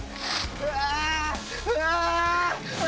うわ！